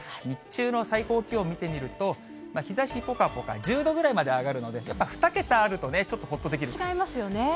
日中の最高気温見てみると、日ざしぽかぽか、１０度ぐらいまで上がるので、やっぱり２桁あるとね、違いますよね。